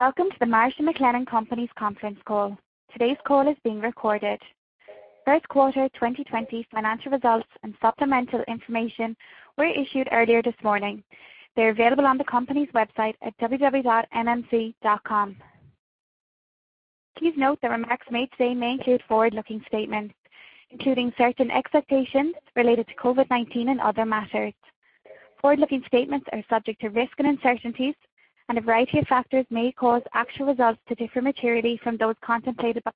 Welcome to the Marsh & McLennan Companies conference call. Today's call is being recorded. First quarter 2020 financial results and supplemental information were issued earlier this morning. They're available on the company's website at www.mmc.com. Please note that remarks made today may include forward-looking statements, including certain expectations related to COVID-19 and other matters. Forward-looking statements are subject to risk and uncertainties, and a variety of factors may cause actual results to differ in maturity from those contemplated by.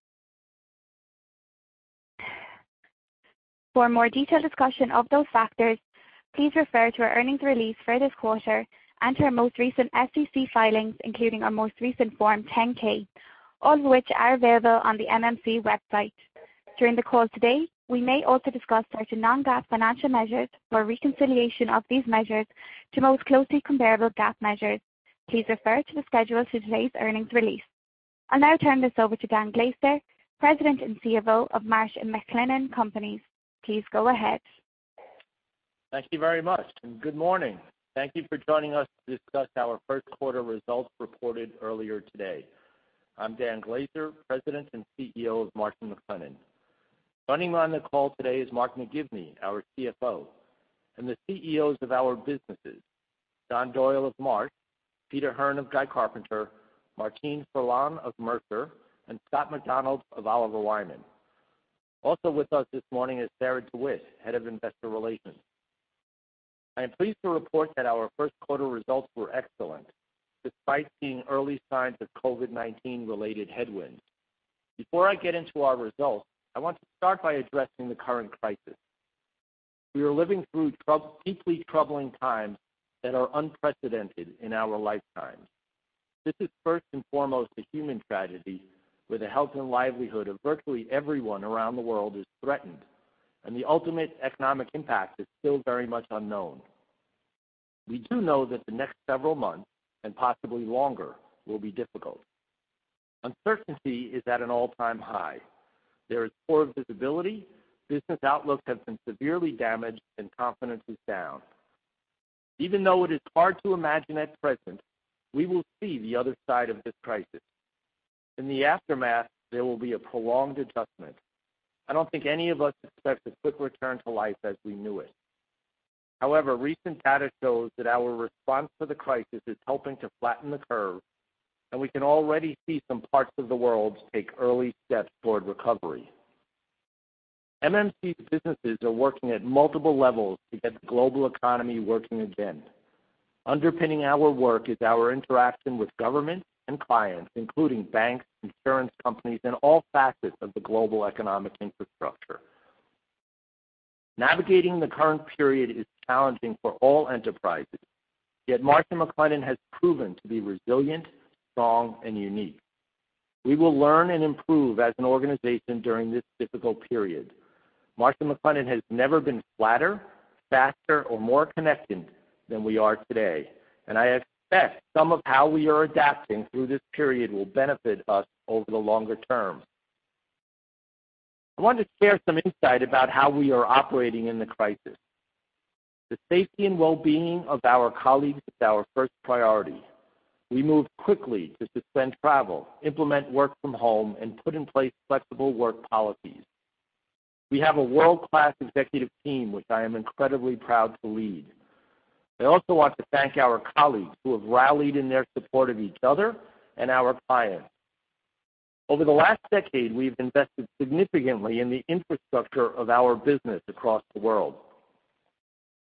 For a more detailed discussion of those factors, please refer to our earnings release for this quarter and to our most recent SEC filings, including our most recent Form 10-K, all of which are available on the MMC website. During the call today, we may also discuss certain non-GAAP financial measures or reconciliation of these measures to most closely comparable GAAP measures. Please refer to the schedule to today's earnings release. I'll now turn this over to Dan Glaser, President and CFO of Marsh & McLennan Companies. Please go ahead. Thank you very much, and good morning. Thank you for joining us to discuss our first quarter results reported earlier today. I'm Dan Glaser, President and CEO of Marsh & McLennan Companies. Joining me on the call today is Mark McGivney, our CFO, and the CEOs of our businesses: John Doyle of Marsh, Peter Hearn of Guy Carpenter, Martine Ferland of Mercer, and Scott McDonald of Oliver Wyman. Also with us this morning is Sarah DeWitt, Head of Investor Relations. I am pleased to report that our first quarter results were excellent, despite seeing early signs of COVID-19-related headwinds. Before I get into our results, I want to start by addressing the current crisis. We are living through deeply troubling times that are unprecedented in our lifetimes. This is, first and foremost, a human tragedy, where the health and livelihood of virtually everyone around the world is threatened, and the ultimate economic impact is still very much unknown. We do know that the next several months, and possibly longer, will be difficult. Uncertainty is at an all-time high. There is poor visibility, business outlooks have been severely damaged, and confidence is down. Even though it is hard to imagine at present, we will see the other side of this crisis. In the aftermath, there will be a prolonged adjustment. I don't think any of us expect a quick return to life as we knew it. However, recent data shows that our response to the crisis is helping to flatten the curve, and we can already see some parts of the world take early steps toward recovery. MMC's businesses are working at multiple levels to get the global economy working again. Underpinning our work is our interaction with government and clients, including banks, insurance companies, and all facets of the global economic infrastructure. Navigating the current period is challenging for all enterprises, yet Marsh & McLennan has proven to be resilient, strong, and unique. We will learn and improve as an organization during this difficult period. Marsh & McLennan has never been flatter, faster, or more connected than we are today, and I expect some of how we are adapting through this period will benefit us over the longer term. I want to share some insight about how we are operating in the crisis. The safety and well-being of our colleagues is our first priority. We move quickly to suspend travel, implement work from home, and put in place flexible work policies. We have a world-class executive team, which I am incredibly proud to lead. I also want to thank our colleagues who have rallied in their support of each other and our clients. Over the last decade, we have invested significantly in the infrastructure of our business across the world.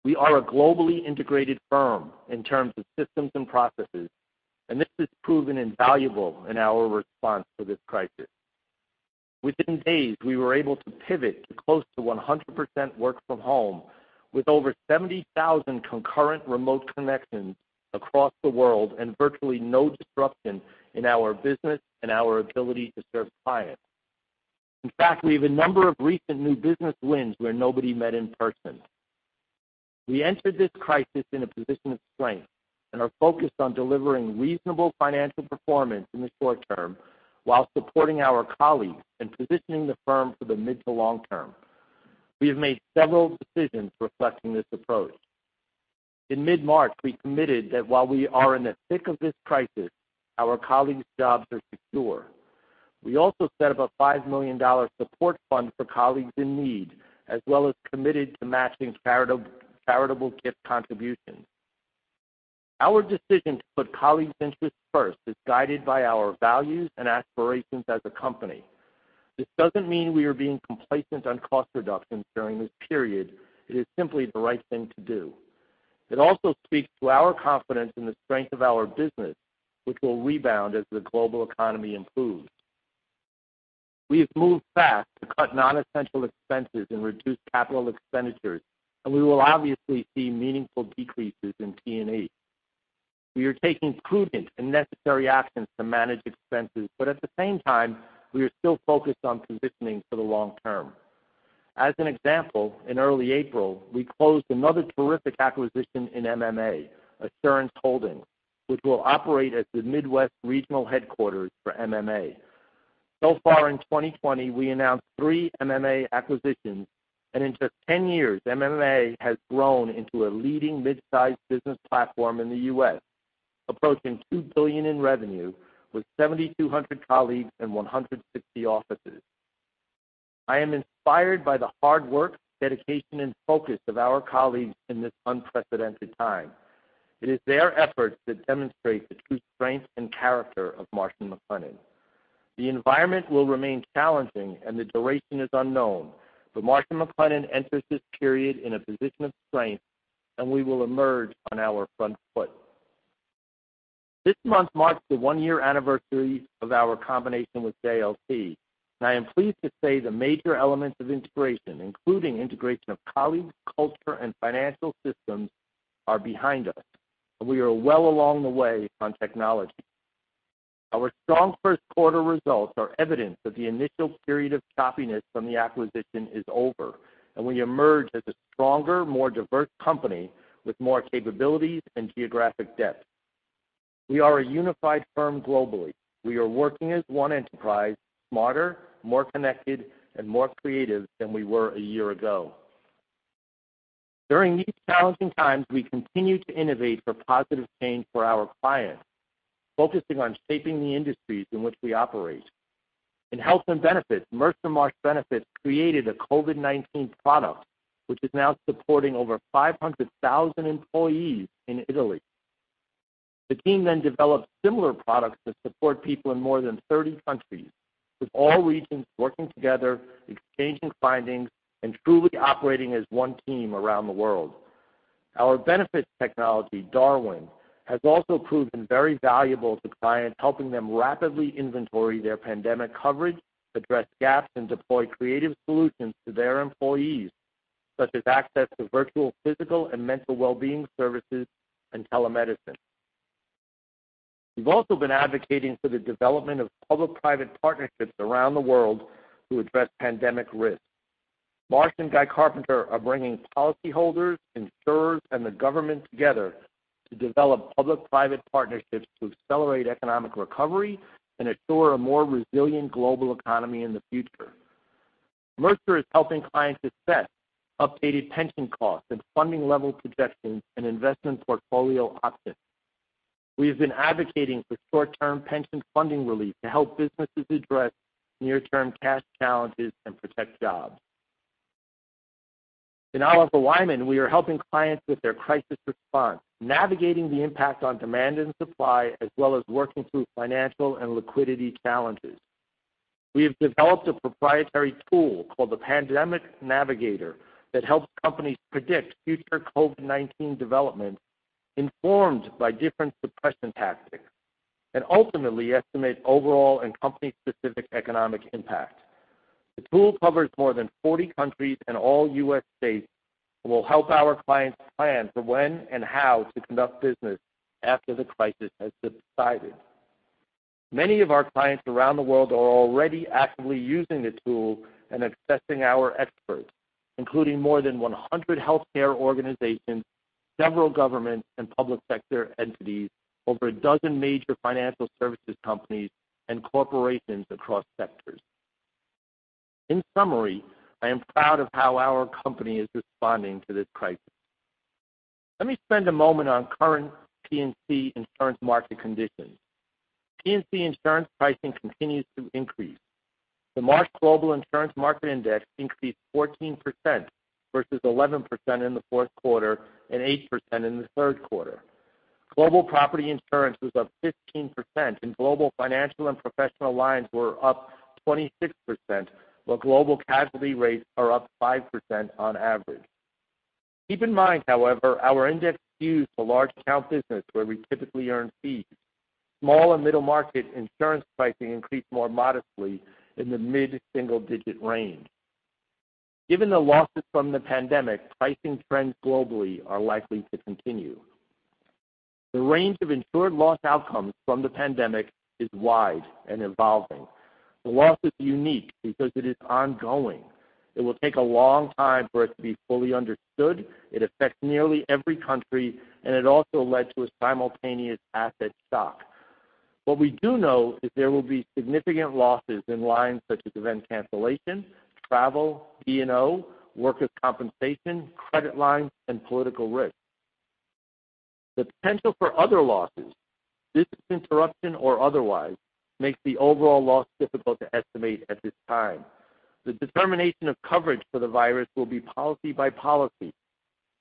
We are a globally integrated firm in terms of systems and processes, and this has proven invaluable in our response to this crisis. Within days, we were able to pivot to close to 100% work from home, with over 70,000 concurrent remote connections across the world and virtually no disruption in our business and our ability to serve clients. In fact, we have a number of recent new business wins where nobody met in person. We entered this crisis in a position of strength and are focused on delivering reasonable financial performance in the short term while supporting our colleagues and positioning the firm for the mid to long term. We have made several decisions reflecting this approach. In mid-March, we committed that while we are in the thick of this crisis, our colleagues' jobs are secure. We also set up a $5 million support fund for colleagues in need, as well as committed to matching charitable gift contributions. Our decision to put colleagues' interests first is guided by our values and aspirations as a company. This does not mean we are being complacent on cost reductions during this period. It is simply the right thing to do. It also speaks to our confidence in the strength of our business, which will rebound as the global economy improves. We have moved fast to cut non-essential expenses and reduce capital expenditures, and we will obviously see meaningful decreases in T&E. We are taking prudent and necessary actions to manage expenses, but at the same time, we are still focused on positioning for the long term. As an example, in early April, we closed another terrific acquisition in MMA, Assurance Holdings, which will operate as the Midwest regional headquarters for MMA. So far, in 2020, we announced three MMA acquisitions, and in just 10 years, MMA has grown into a leading mid-sized business platform in the U.S., approaching $2 billion in revenue with 7,200 colleagues and 160 offices. I am inspired by the hard work, dedication, and focus of our colleagues in this unprecedented time. It is their efforts that demonstrate the true strength and character of Marsh & McLennan. The environment will remain challenging, and the duration is unknown, but Marsh & McLennan enters this period in a position of strength, and we will emerge on our front foot. This month marks the one-year anniversary of our combination with JLT, and I am pleased to say the major elements of integration, including integration of colleagues, culture, and financial systems, are behind us, and we are well along the way on technology. Our strong first quarter results are evidence that the initial period of choppiness from the acquisition is over, and we emerge as a stronger, more diverse company with more capabilities and geographic depth. We are a unified firm globally. We are working as one enterprise, smarter, more connected, and more creative than we were a year ago. During these challenging times, we continue to innovate for positive change for our clients, focusing on shaping the industries in which we operate. In health and benefits, Mercer Marsh Benefits created a COVID-19 product, which is now supporting over 500,000 employees in Italy. The team then developed similar products to support people in more than 30 countries, with all regions working together, exchanging findings, and truly operating as one team around the world. Our benefits technology, Darwin, has also proven very valuable to clients, helping them rapidly inventory their pandemic coverage, address gaps, and deploy creative solutions to their employees, such as access to virtual physical and mental well-being services and telemedicine. We have also been advocating for the development of public-private partnerships around the world to address pandemic risk. Marsh and Guy Carpenter are bringing policyholders, insurers, and the government together to develop public-private partnerships to accelerate economic recovery and assure a more resilient global economy in the future. Mercer is helping clients assess updated pension costs and funding level projections and investment portfolio options. We have been advocating for short-term pension funding relief to help businesses address near-term cash challenges and protect jobs. In Oliver Wyman, we are helping clients with their crisis response, navigating the impact on demand and supply, as well as working through financial and liquidity challenges. We have developed a proprietary tool called the Pandemic Navigator that helps companies predict future COVID-19 developments informed by different suppression tactics and ultimately estimate overall and company-specific economic impact. The tool covers more than 40 countries and all U.S. states and will help our clients plan for when and how to conduct business after the crisis has subsided. Many of our clients around the world are already actively using the tool and accessing our experts, including more than 100 healthcare organizations, several government and public sector entities, over a dozen major financial services companies and corporations across sectors. In summary, I am proud of how our company is responding to this crisis. Let me spend a moment on current P&C insurance market conditions. P&C insurance pricing continues to increase. The March Global Insurance Market Index increased 14% versus 11% in the fourth quarter and 8% in the third quarter. Global property insurance was up 15%, and global financial and professional lines were up 26%, while global casualty rates are up 5% on average. Keep in mind, however, our index skews to large account business, where we typically earn fees. Small and middle market insurance pricing increased more modestly in the mid-single-digit range. Given the losses from the pandemic, pricing trends globally are likely to continue. The range of insured loss outcomes from the pandemic is wide and evolving. The loss is unique because it is ongoing. It will take a long time for it to be fully understood. It affects nearly every country, and it also led to a simultaneous asset shock. What we do know is there will be significant losses in lines such as event cancellation, s, D&O, workers' compensation, credit lines, and political risk. The potential for other losses, business interruption or otherwise, makes the overall loss difficult to estimate at this time. The determination of coverage for the virus will be policy by policy,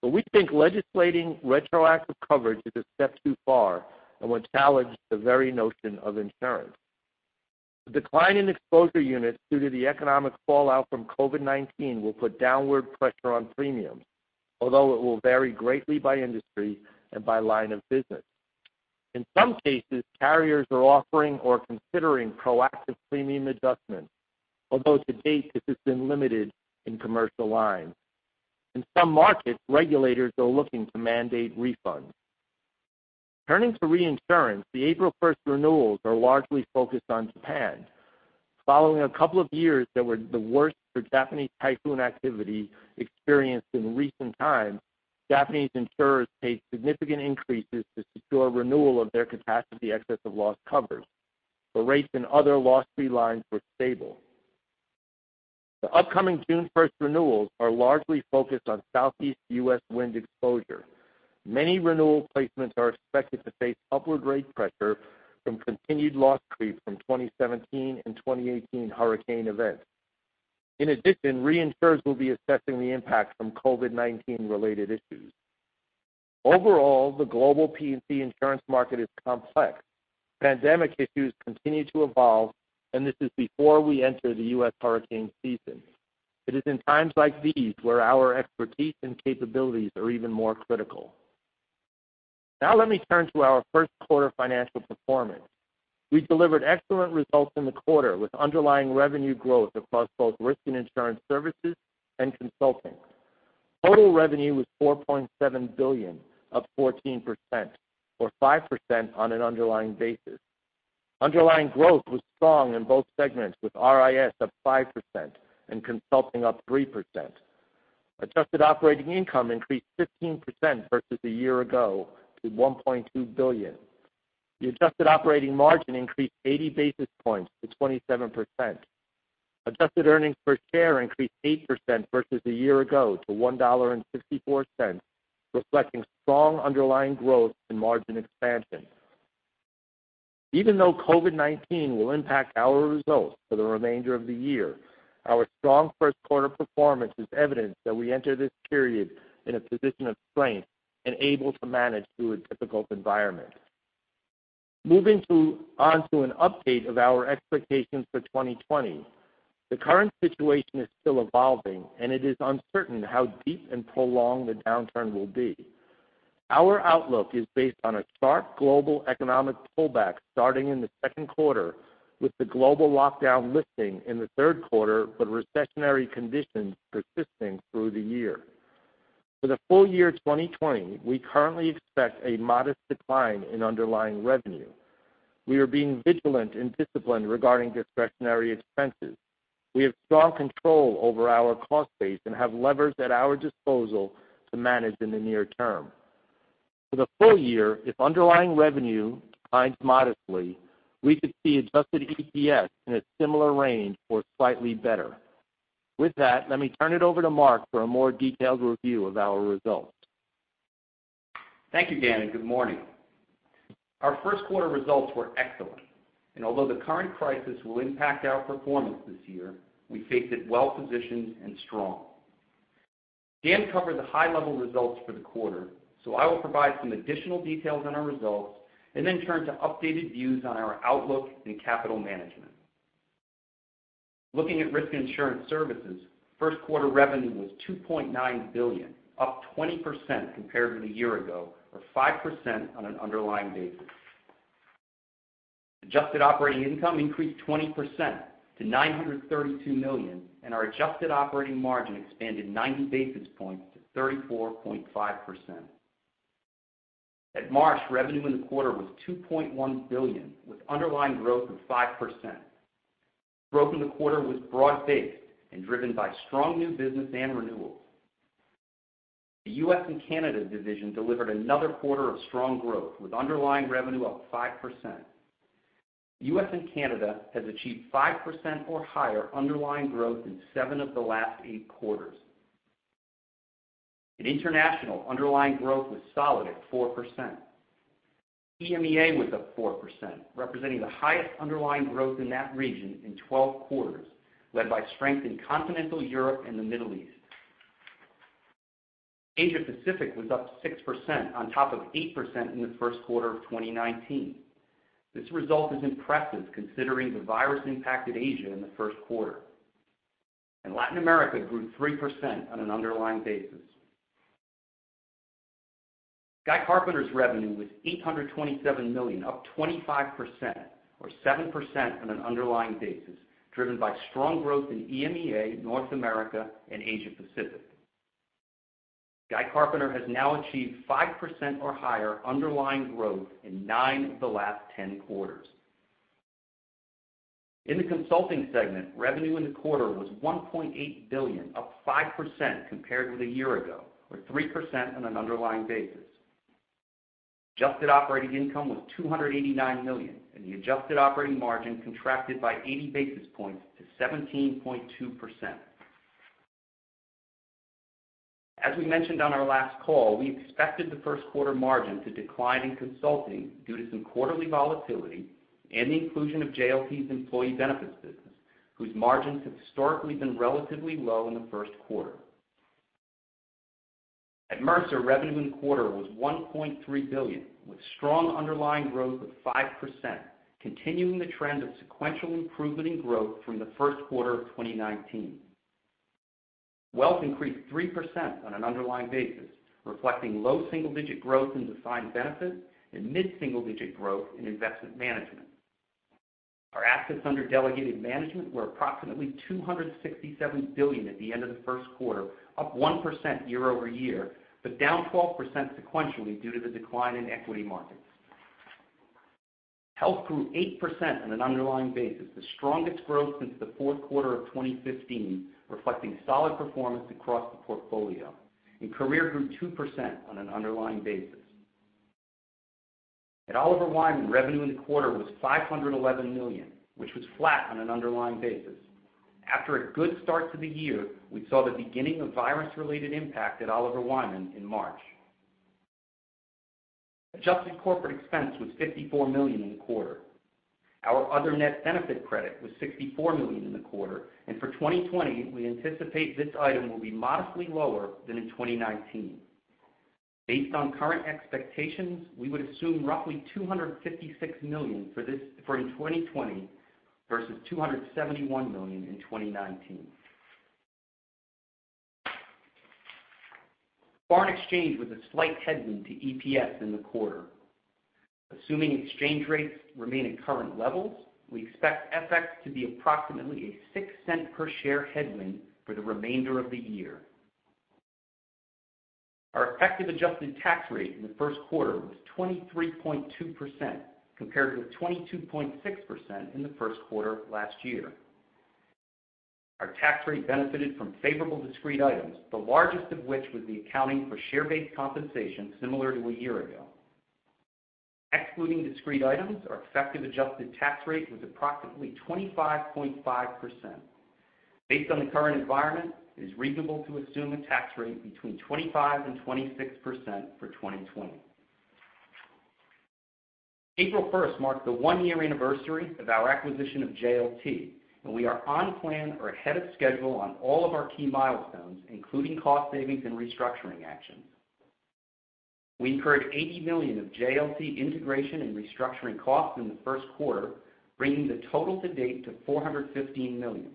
but we think legislating retroactive coverage is a step too far and would challenge the very notion of insurance. The decline in exposure units due to the economic fallout from COVID-19 will put downward pressure on premiums, although it will vary greatly by industry and by line of business. In some cases, carriers are offering or considering proactive premium adjustments, although to date this has been limited in commercial lines. In some markets, regulators are looking to mandate refunds. Turning to reinsurance, the April 1 renewals are largely focused on Japan. Following a couple of years that were the worst for Japanese typhoon activity experienced in recent times, Japanese insurers paid significant increases to secure renewal of their capacity excessive loss covers, but rates in other loss-free lines were stable. The upcoming June 1 renewals are largely focused on Southeast U.S. wind exposure. Many renewal placements are expected to face upward rate pressure from continued loss creep from 2017 and 2018 hurricane events. In addition, reinsurers will be assessing the impact from COVID-19-related issues. Overall, the global P&C insurance market is complex. Pandemic issues continue to evolve, and this is before we enter the U.S. hurricane season. It is in times like these where our expertise and capabilities are even more critical. Now let me turn to our first quarter financial performance. We delivered excellent results in the quarter with underlying revenue growth across both risk and insurance services and consulting. Total revenue was $4.7 billion, up 14%, or 5% on an underlying basis. Underlying growth was strong in both segments, with RIS up 5% and consulting up 3%. Adjusted operating income increased 15% versus a year ago to $1.2 billion. The adjusted operating margin increased 80 basis points to 27%. Adjusted earnings per share increased 8% versus a year ago to $1.64, reflecting strong underlying growth and margin expansion. Even though COVID-19 will impact our results for the remainder of the year, our strong first quarter performance is evidence that we enter this period in a position of strength and able to manage through a difficult environment. Moving on to an update of our expectations for 2020, the current situation is still evolving, and it is uncertain how deep and prolonged the downturn will be. Our outlook is based on a sharp global economic pullback starting in the second quarter, with the global lockdown lifting in the third quarter, but recessionary conditions persisting through the year. For the full year 2020, we currently expect a modest decline in underlying revenue. We are being vigilant and disciplined regarding discretionary expenses. We have strong control over our cost base and have levers at our disposal to manage in the near term. For the full year, if underlying revenue declines modestly, we could see adjusted EPS in a similar range or slightly better. With that, let me turn it over to Mark for a more detailed review of our results. Thank you, Dan, and good morning. Our first quarter results were excellent, and although the current crisis will impact our performance this year, we face it well-positioned and strong. Dan covered the high-level results for the quarter, so I will provide some additional details on our results and then turn to updated views on our outlook and capital management. Looking at risk and insurance services, first quarter revenue was $2.9 billion, up 20% compared to the year ago, or 5% on an underlying basis. Adjusted operating income increased 20% to $932 million, and our adjusted operating margin expanded 90 basis points to 34.5%. At Marsh, revenue in the quarter was $2.1 billion, with underlying growth of 5%. Growth in the quarter was broad-based and driven by strong new business and renewals. The U.S. and Canada division delivered another quarter of strong growth, with underlying revenue up 5%. U.S. and Canada has achieved 5% or higher underlying growth in seven of the last eight quarters. In international, underlying growth was solid at 4%. EMEA was up 4%, representing the highest underlying growth in that region in 12 quarters, led by strength in continental Europe and the Middle East. Asia-Pacific was up 6% on top of 8% in the first quarter of 2019. This result is impressive considering the virus impacted Asia in the first quarter. Latin America grew 3% on an underlying basis. Guy Carpenter's revenue was $827 million, up 25%, or 7% on an underlying basis, driven by strong growth in EMEA, North America, and Asia-Pacific. Guy Carpenter has now achieved 5% or higher underlying growth in nine of the last ten quarters. In the consulting segment, revenue in the quarter was $1.8 billion, up 5% compared with a year ago, or 3% on an underlying basis. Adjusted operating income was $289 million, and the adjusted operating margin contracted by 80 basis points to 17.2%. As we mentioned on our last call, we expected the first quarter margin to decline in consulting due to some quarterly volatility and the inclusion of JLT's employee benefits business, whose margins have historically been relatively low in the first quarter. At Mercer, revenue in quarter was $1.3 billion, with strong underlying growth of 5%, continuing the trend of sequential improvement in growth from the first quarter of 2019. Wealth increased 3% on an underlying basis, reflecting low single-digit growth in defined benefits and mid-single-digit growth in investment management. Our assets under delegated management were approximately $267 billion at the end of the first quarter, up 1% year over year, but down 12% sequentially due to the decline in equity markets. Health grew 8% on an underlying basis, the strongest growth since the fourth quarter of 2015, reflecting solid performance across the portfolio. Career grew 2% on an underlying basis. At Oliver Wyman, revenue in the quarter was $511 million, which was flat on an underlying basis. After a good start to the year, we saw the beginning of virus-related impact at Oliver Wyman in March. Adjusted corporate expense was $54 million in the quarter. Our other net benefit credit was $64 million in the quarter, and for 2020, we anticipate this item will be modestly lower than in 2019. Based on current expectations, we would assume roughly $256 million in 2020 versus $271 million in 2019. Foreign exchange was a slight headwind to EPS in the quarter. Assuming exchange rates remain at current levels, we expect FX to be approximately a $0.06 per share headwind for the remainder of the year. Our effective adjusted tax rate in the first quarter was 23.2% compared with 22.6% in the first quarter last year. Our tax rate benefited from favorable discrete items, the largest of which was the accounting for share-based compensation similar to a year ago. Excluding discrete items, our effective adjusted tax rate was approximately 25.5%. Based on the current environment, it is reasonable to assume a tax rate between 25% and 26% for 2020. April 1 marked the one-year anniversary of our acquisition of JLT, and we are on plan or ahead of schedule on all of our key milestones, including cost savings and restructuring actions. We incurred $80 million of JLT integration and restructuring costs in the first quarter, bringing the total to date to $415 million.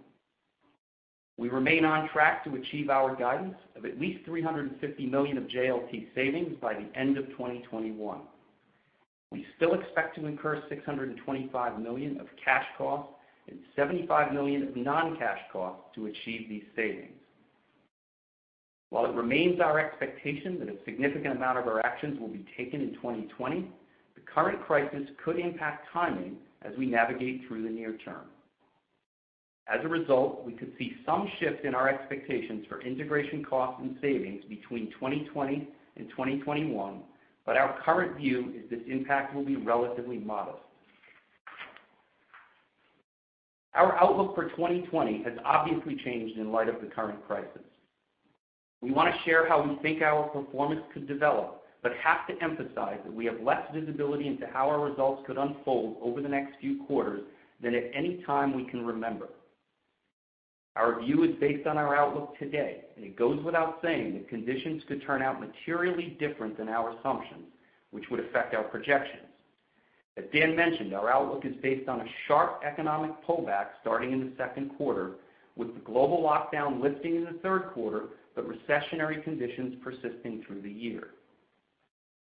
We remain on track to achieve our guidance of at least $350 million of JLT savings by the end of 2021. We still expect to incur $625 million of cash costs and $75 million of non-cash costs to achieve these savings. While it remains our expectation that a significant amount of our actions will be taken in 2020, the current crisis could impact timing as we navigate through the near term. As a result, we could see some shift in our expectations for integration costs and savings between 2020 and 2021, but our current view is this impact will be relatively modest. Our outlook for 2020 has obviously changed in light of the current crisis. We want to share how we think our performance could develop, but have to emphasize that we have less visibility into how our results could unfold over the next few quarters than at any time we can remember. Our view is based on our outlook today, and it goes without saying that conditions could turn out materially different than our assumptions, which would affect our projections. As Dan mentioned, our outlook is based on a sharp economic pullback starting in the second quarter, with the global lockdown lifting in the third quarter, but recessionary conditions persisting through the year.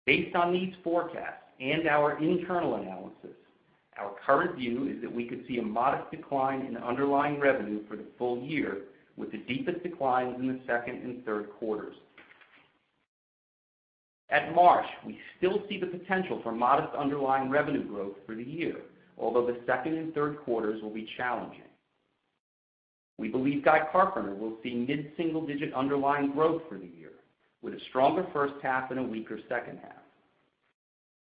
Based on these forecasts and our internal analysis, our current view is that we could see a modest decline in underlying revenue for the full year, with the deepest declines in the second and third quarters. At Marsh, we still see the potential for modest underlying revenue growth for the year, although the second and third quarters will be challenging. We believe Guy Carpenter will see mid-single-digit underlying growth for the year, with a stronger first half and a weaker second half.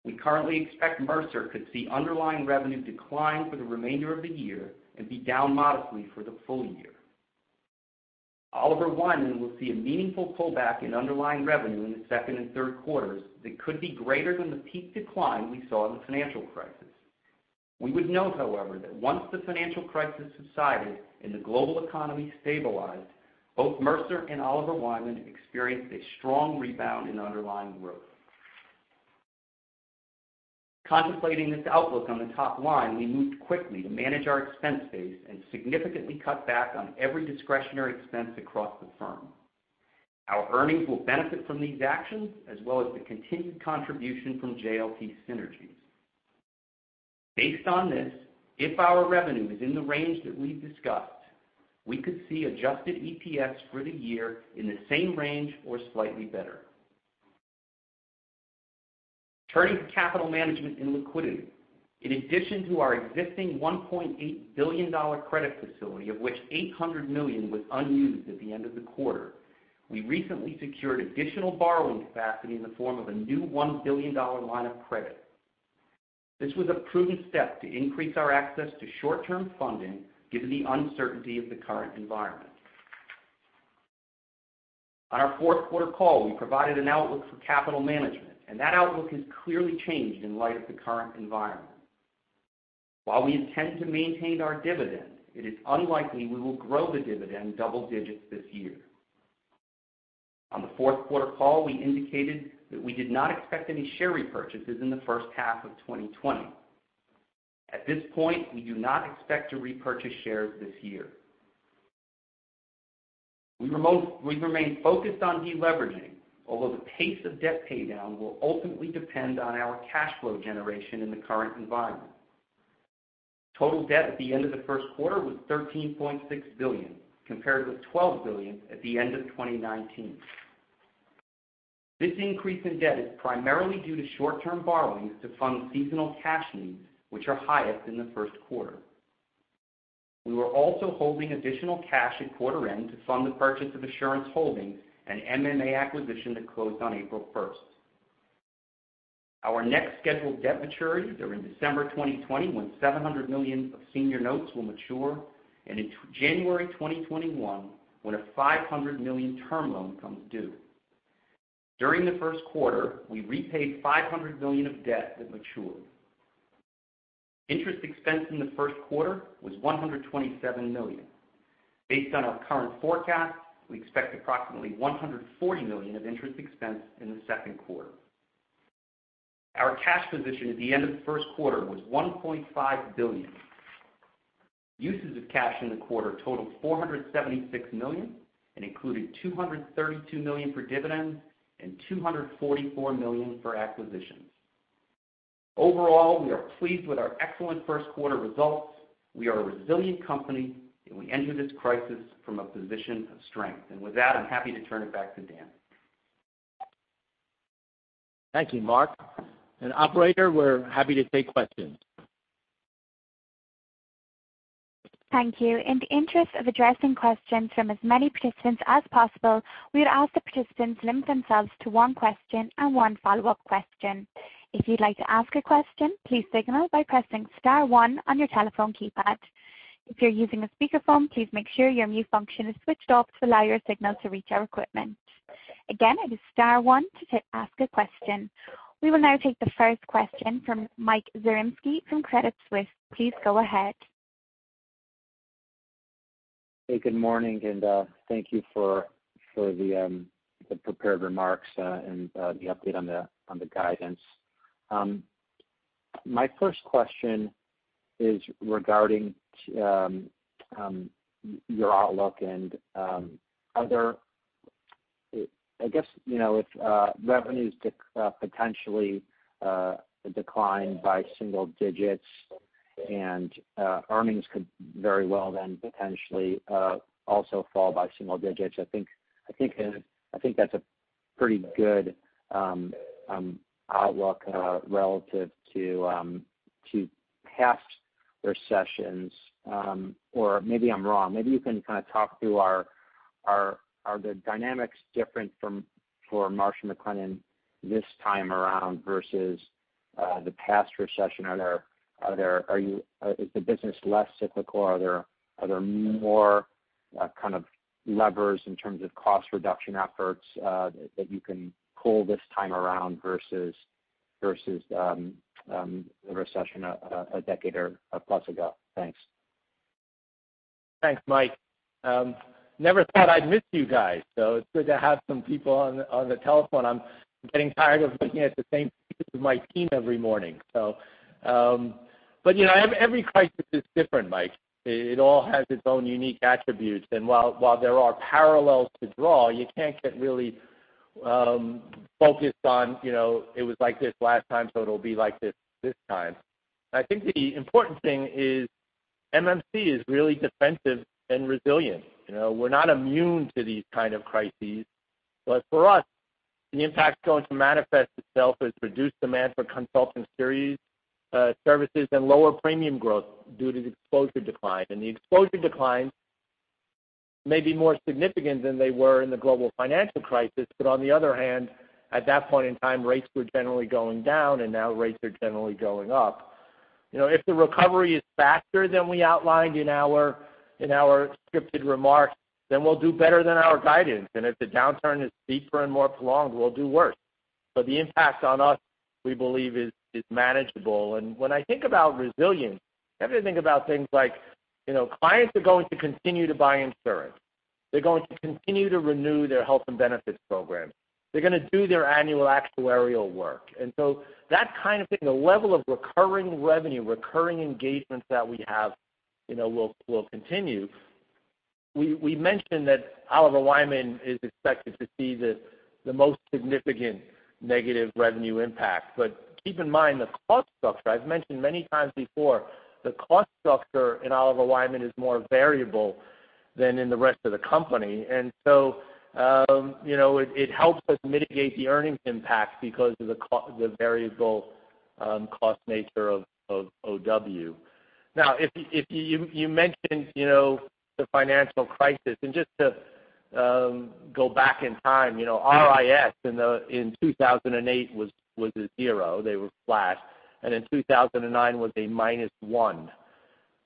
We currently expect Mercer could see underlying revenue decline for the remainder of the year and be down modestly for the full year. Oliver Wyman will see a meaningful pullback in underlying revenue in the second and third quarters that could be greater than the peak decline we saw in the financial crisis. We would note, however, that once the financial crisis subsided and the global economy stabilized, both Mercer and Oliver Wyman experienced a strong rebound in underlying growth. Contemplating this outlook on the top line, we moved quickly to manage our expense base and significantly cut back on every discretionary expense across the firm. Our earnings will benefit from these actions, as well as the continued contribution from JLT synergies. Based on this, if our revenue is in the range that we've discussed, we could see adjusted EPS for the year in the same range or slightly better. Turning to capital management and liquidity. In addition to our existing $1.8 billion credit facility, of which $800 million was unused at the end of the quarter, we recently secured additional borrowing capacity in the form of a new $1 billion line of credit. This was a prudent step to increase our access to short-term funding, given the uncertainty of the current environment. On our fourth quarter call, we provided an outlook for capital management, and that outlook has clearly changed in light of the current environment. While we intend to maintain our dividend, it is unlikely we will grow the dividend double digits this year. On the fourth quarter call, we indicated that we did not expect any share repurchases in the first half of 2020. At this point, we do not expect to repurchase shares this year. We remain focused on deleveraging, although the pace of debt paydown will ultimately depend on our cash flow generation in the current environment. Total debt at the end of the first quarter was $13.6 billion, compared with $12 billion at the end of 2019. This increase in debt is primarily due to short-term borrowings to fund seasonal cash needs, which are highest in the first quarter. We were also holding additional cash at quarter end to fund the purchase of Assurance Holdings and MMA acquisition that closed on April 1st. Our next scheduled debt maturities are in December 2020, when $700 million of senior notes will mature, and in January 2021, when a $500 million term loan comes due. During the first quarter, we repaid $500 million of debt that matured. Interest expense in the first quarter was $127 million. Based on our current forecast, we expect approximately $140 million of interest expense in the second quarter. Our cash position at the end of the first quarter was $1.5 billion. Uses of cash in the quarter totaled $476 million and included $232 million for dividends and $244 million for acquisitions. Overall, we are pleased with our excellent first quarter results. We are a resilient company, and we enter this crisis from a position of strength. With that, I'm happy to turn it back to Dan. Thank you, Mark. Operator, we're happy to take questions. Thank you. In the interest of addressing questions from as many participants as possible, we would ask the participants to limit themselves to one question and one follow-up question. If you'd like to ask a question, please signal by pressing Star 1 on your telephone keypad. If you're using a speakerphone, please make sure your mute function is switched off to allow your signal to reach our equipment. Again, it is Star 1 to ask a question. We will now take the first question from Mike Zaremski from Credit Suisse. Please go ahead. Hey, good morningv, and thank you for the prepared remarks and the update on the guidance. My first question is regarding your outlook and other, I guess, if revenues potentially decline by single digits and earnings could very well then potentially also fall by single digits. I think that's a pretty good outlook relative to past recessions, or maybe I'm wrong. Maybe you can kind of talk through, are the dynamics different for Marsh & McLennan this time around versus the past recession? Is the business less cyclical? Are there more kind of levers in terms of cost reduction efforts that you can pull this time around versus the recession a decade or plus ago? Thanks. Thanks, Mike. Never thought I'd miss you guys, so it's good to have some people on the telephone. I'm getting tired of looking at the same pictures of my team every morning. Every crisis is different, Mike. It all has its own unique attributes. While there are parallels to draw, you can't get really focused on, "It was like this last time, so it'll be like this this time." I think the important thing is MMC is really defensive and resilient. We're not immune to these kind of crises. For us, the impact is going to manifest itself as reduced demand for consulting services and lower premium growth due to exposure decline. The exposure declines may be more significant than they were in the global financial crisis, but on the other hand, at that point in time, rates were generally going down, and now rates are generally going up. If the recovery is faster than we outlined in our scripted remarks, then we'll do better than our guidance. If the downturn is deeper and more prolonged, we'll do worse. The impact on us, we believe, is manageable. When I think about resilience, I have to think about things like clients are going to continue to buy insurance. They're going to continue to renew their health and benefits program. They're going to do their annual actuarial work. That kind of thing, the level of recurring revenue, recurring engagements that we have will continue. We mentioned that Oliver Wyman is expected to see the most significant negative revenue impact. Keep in mind the cost structure. I've mentioned many times before the cost structure in Oliver Wyman is more variable than in the rest of the company. It helps us mitigate the earnings impact because of the variable cost nature of OW. Now, if you mentioned the financial crisis, and just to go back in time, RIS in 2008 was a zero. They were flat. And in 2009 was a minus one.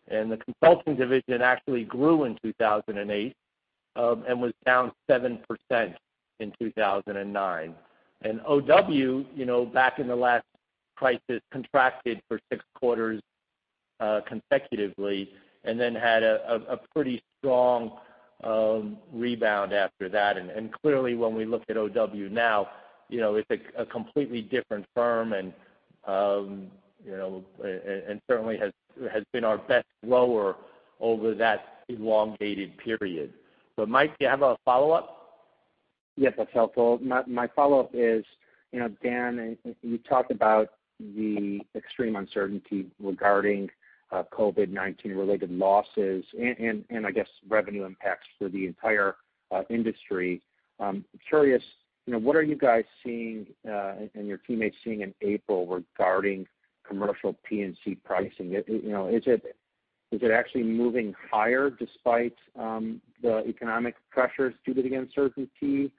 And the consulting division actually grew in 2008 and was down 7% in 2009. And OW, back in the last crisis, contracted for six quarters consecutively and then had a pretty strong rebound after that. Clearly, when we look at OW now, it is a completely different firm and certainly has been our best grower over that elongated period. Mike, do you have a follow-up? Yes, that is helpful. My follow-up is, Dan, you talked about the extreme uncertainty regarding COVID-19-related losses and, I guess, revenue impacts for the entire industry. Curious, what are you guys seeing and your teammates seeing in April regarding commercial P&C pricing? Is it actually moving higher despite the economic pressures due to the uncertainty?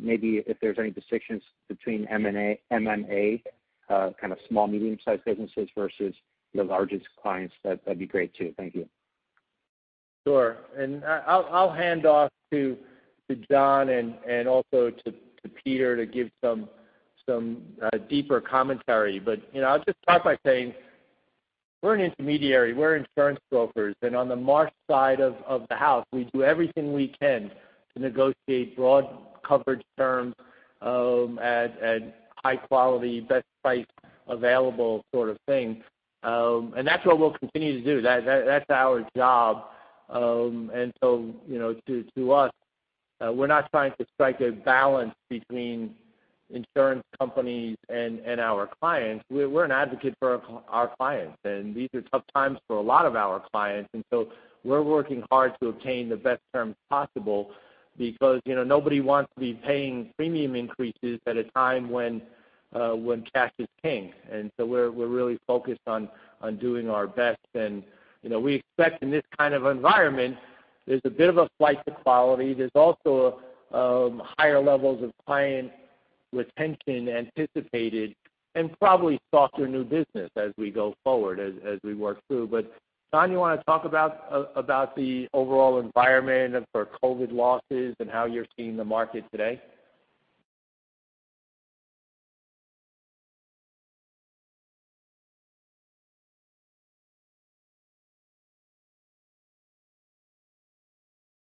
Maybe if there's any distinctions between MMA, kind of small, medium-sized businesses versus the largest clients, that'd be great too. Thank you. Sure. I'll hand off to John and also to Peter to give some deeper commentary. I'll just start by saying we're an intermediary. We're insurance brokers. On the Marsh side of the house, we do everything we can to negotiate broad coverage terms at high quality, best price available sort of thing. That's what we'll continue to do. That's our job. To us, we're not trying to strike a balance between insurance companies and our clients. We're an advocate for our clients, and these are tough times for a lot of our clients. We're working hard to obtain the best terms possible because nobody wants to be paying premium increases at a time when cash is king. We are really focused on doing our best. We expect in this kind of environment, there is a bit of a flight to quality. There are also higher levels of client retention anticipated and probably softer new business as we go forward as we work through. John, you want to talk about the overall environment for COVID losses and how you are seeing the market today?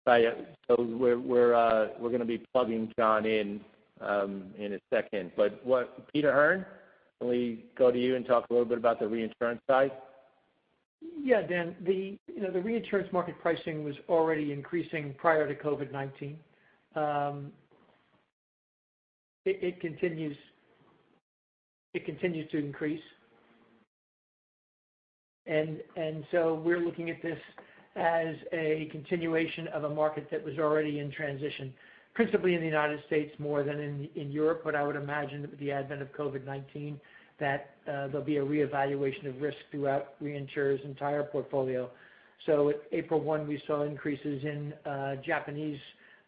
We are going to be plugging John in in a second. Peter, can we go to you and talk a little bit about the reinsurance side? Yeah, Dan. The reinsurance market pricing was already increasing prior to COVID-19. It continues to increase. We are looking at this as a continuation of a market that was already in transition, principally in the United States more than in Europe. I would imagine with the advent of COVID-19 that there'll be a reevaluation of risk throughout reinsurers' entire portfolio. At April 1, we saw increases in Japanese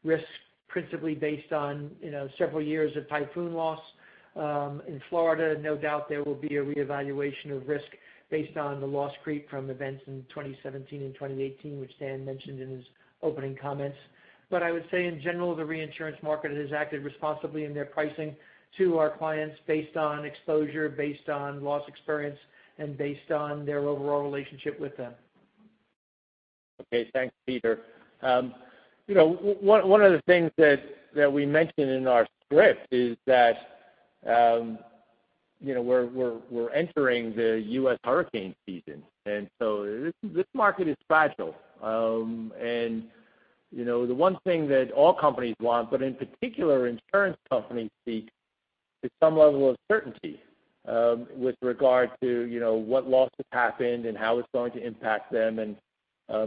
risk, principally based on several years of typhoon loss in Florida. No doubt there will be a reevaluation of risk based on the loss creep from events in 2017 and 2018, which Dan mentioned in his opening comments. I would say, in general, the reinsurance market has acted responsibly in their pricing to our clients based on exposure, based on loss experience, and based on their overall relationship with them. Okay. Thanks, Peter. One of the things that we mentioned in our script is that we're entering the U.S. hurricane season. This market is fragile. The one thing that all companies want, but in particular insurance companies, is some level of certainty with regard to what losses happened and how it's going to impact them.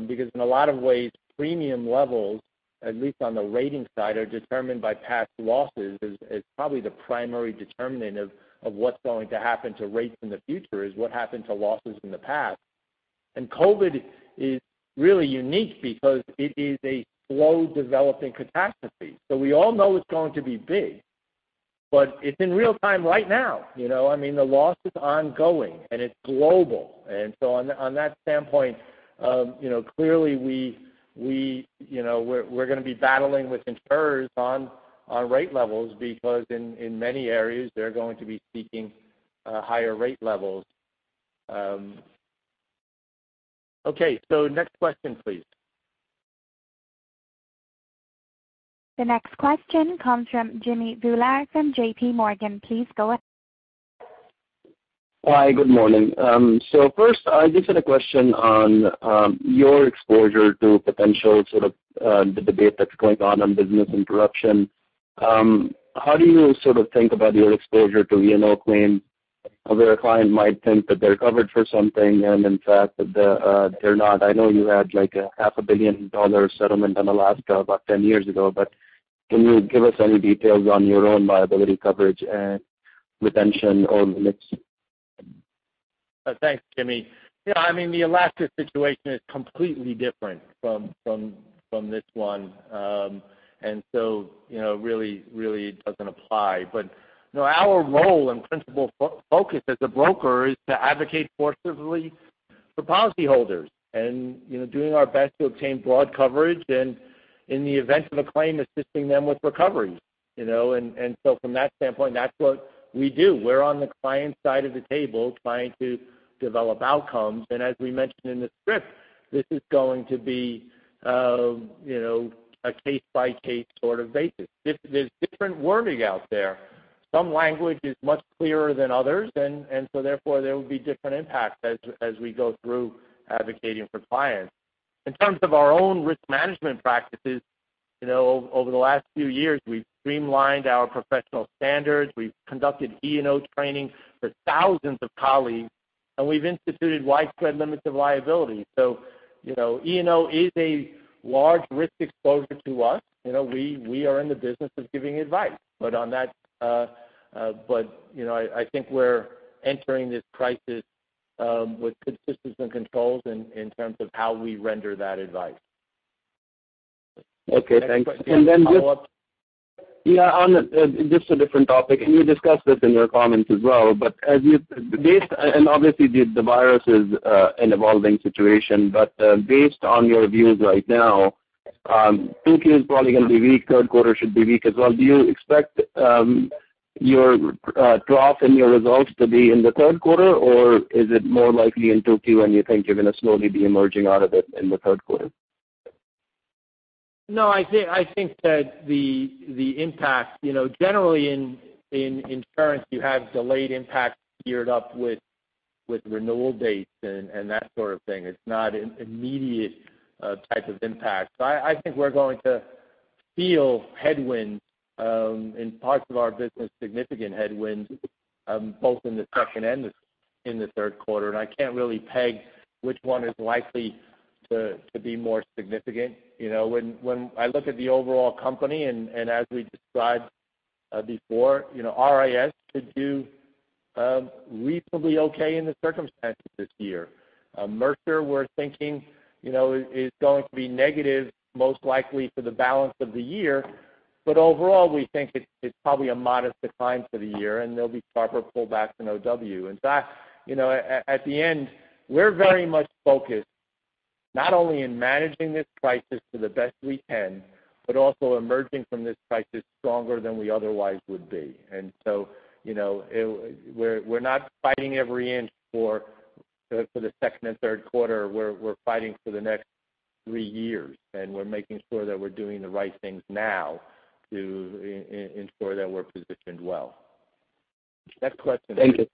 Because in a lot of ways, premium levels, at least on the rating side, are determined by past losses. It's probably the primary determinant of what's going to happen to rates in the future is what happened to losses in the past. COVID is really unique because it is a slow-developing catastrophe. We all know it's going to be big, but it's in real time right now. I mean, the loss is ongoing, and it's global. From that standpoint, clearly, we're going to be battling with insurers on rate levels because in many areas, they're going to be seeking higher rate levels. Okay. Next question, please. The next question comes from Jimmy Bhullar from JPMorgan. Please go ahead. Hi. Good morning. First, I just had a question on your exposure to potential sort of the debate that's going on on business interruption. How do you sort of think about your exposure to E&O claims where a client might think that they're covered for something and, in fact, they're not? I know you had like a $500,000,000 settlement on Alaska about 10 years ago, but can you give us any details on your own liability coverage and retention or limits? Thanks, Jimmy. Yeah. I mean, the Alaska situation is completely different from this one. It really, really doesn't apply. Our role and principal focus as a broker is to advocate forcefully for policyholders and doing our best to obtain broad coverage and, in the event of a claim, assisting them with recovery. From that standpoint, that's what we do. We're on the client side of the table trying to develop outcomes. As we mentioned in the script, this is going to be a case-by-case sort of basis. There's different wording out there. Some language is much clearer than others, and therefore there will be different impacts as we go through advocating for clients. In terms of our own risk management practices, over the last few years, we've streamlined our professional standards. We've conducted E&O training for thousands of colleagues, and we've instituted widespread limits of liability. E&O is a large risk exposure to us. We are in the business of giving advice. On that, I think we're entering this crisis with good systems and controls in terms of how we render that advice. Okay. Thanks. Just on a different topic, and you discussed this in your comments as well. Based on, and obviously, the virus is an evolving situation, but based on your views right now, 2Q is probably going to be weak. Third quarter should be weak as well. Do you expect your trough in your results to be in the third quarter, or is it more likely in 2Q and you think you're going to slowly be emerging out of it in the third quarter? No, I think that the impact, generally in insurance, you have delayed impact geared up with renewal dates and that sort of thing. It's not an immediate type of impact. I think we're going to feel headwinds in parts of our business, significant headwinds, both in the second and in the third quarter. I can't really peg which one is likely to be more significant. When I look at the overall company, and as we described before, RIS could do reasonably okay in the circumstances this year. Mercer, we're thinking, is going to be negative, most likely for the balance of the year. Overall, we think it's probably a modest decline for the year, and there'll be sharper pullbacks in OW. In fact, at the end, we're very much focused not only in managing this crisis to the best we can, but also emerging from this crisis stronger than we otherwise would be. We're not fighting every inch for the second and third quarter. We're fighting for the next three years, and we're making sure that we're doing the right things now to ensure that we're positioned well. Next question. Thank you.